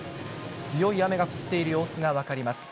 強い雨が降っている様子が分かります。